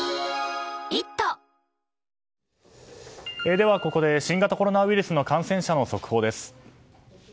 ではここで新型コロナウイルスの感染者の速報です。